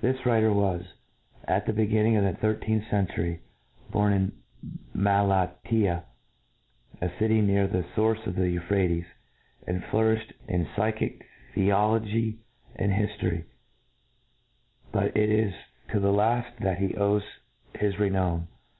This writer was, about the begin ning of the thirteenth century, born in Malatiah, a city near the fource of the Euphrates, and flourifhed in phyfic, theology, and hiftory ; but it is to the laft that he owes his renown.